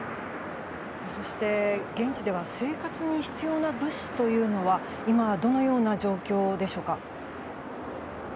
そして、現地では生活に必要な物資というのは今、どのような状況でしょうか？